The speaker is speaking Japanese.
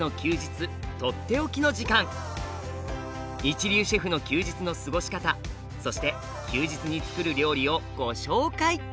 一流シェフの休日の過ごし方そして休日につくる料理をご紹介。